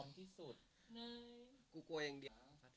พักต่างได้เลย